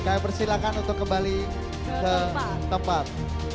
kami persilahkan untuk kembali ke tempat